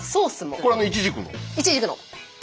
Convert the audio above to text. これはイチジクの？